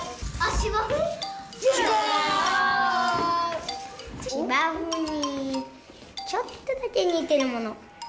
しばふにちょっとだけにてるもの。